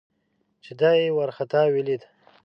چې دای یې ورخطا ولید.